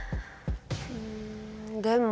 うんでも。